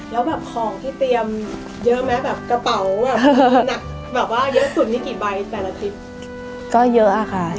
แล้วแบบของที่เตรียมเยอะไหมแบบกระเป๋าแบบหนักแบบว่าเยอะสุดนี่กี่ใบแต่ละคลิปก็เยอะอะค่ะ